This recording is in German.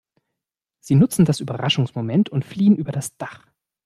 Sie nutzen das Überraschungsmoment und fliehen über das Dach.